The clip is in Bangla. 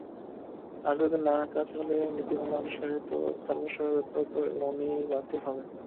আর তাতে না কাজ হলে নীতিমালা অনুসারে তো তার প্রশাসকত্ব তো এমনিই বাতিল হবে।